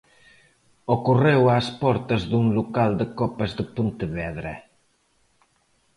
Ocorreu ás portas dun local de copas de Pontevedra.